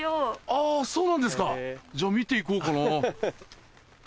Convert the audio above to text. あぁそうなんですかじゃあ見て行こうかな。